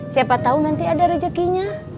siapa tau nanti ada rejekinya